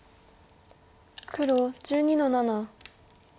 黒１２の七。